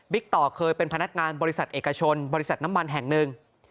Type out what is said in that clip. ต่อเคยเป็นพนักงานบริษัทเอกชนบริษัทน้ำมันแห่งหนึ่ง